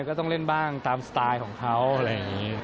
ก็ต้องเล่นบ้างตามสไตล์ของเขาอะไรอย่างนี้